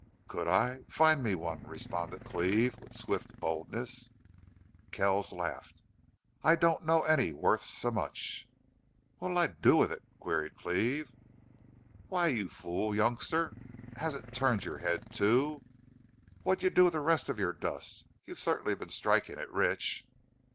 "Could I? Find me one," responded Cleve, with swift boldness. Kells laughed. "I don't know any worth so much." "What'll I do with it?" queried Cleve. "Why, you fool youngster! Has it turned your head, too? What'd you do with the rest of your dust? You've certainly been striking it rich."